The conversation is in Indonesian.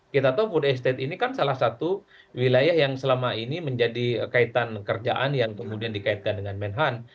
kita tahu food estate ini kan salah satu wilayah yang selama ini menjadi kaitan kerjaan yang kemudian dikaitkan dengan menhan